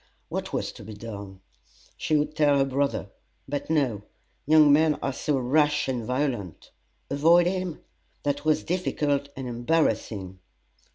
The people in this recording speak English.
What was to be done? She would tell her brother; but no young men are so rash and violent. Avoid him? That was difficult and embarrassing.